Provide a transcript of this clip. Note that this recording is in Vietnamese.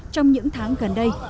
trong những tháng gần đây